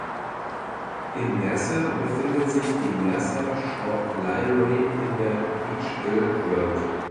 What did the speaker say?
In Mercer befindet sich die "Mercer Shaw Library" in der Beach Hill Road.